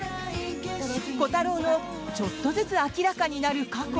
コタローのちょっとずつ明らかになる過去。